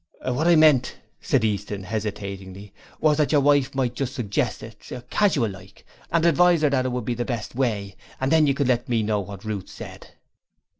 'What I meant,' said Easton hesitatingly, 'was that your wife might just suggest it casual like and advise her that it would be the best way, and then you could let me know what Ruth said.'